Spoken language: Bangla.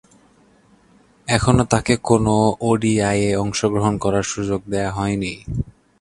এখনও তাকে কোন ওডিআইয়ে অংশগ্রহণ করার সুযোগ দেয়া হয়নি।